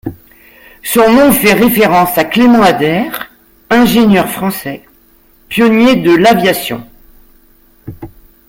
Son nom fait référence à Clément Ader, ingénieur français, pionnier de l'aviation.